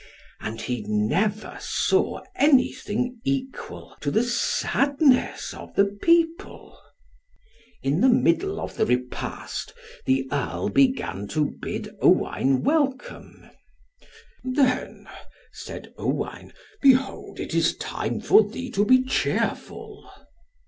And he never saw any thing equal to the sadness of the people. In the middle of the repast, the Earl began to bid Owain welcome. "Then," said Owain, "behold it is time for thee to be cheerful."